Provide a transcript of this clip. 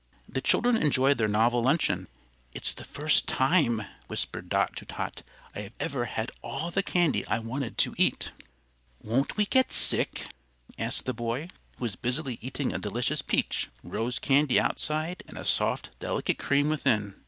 The children enjoyed their novel luncheon. "It's the first time," whispered Dot to Tot, "I ever had all the candy I wanted to eat." "Won't we get sick?" asked the boy, who was busily eating a delicious peach rose candy outside and a soft, delicate cream within.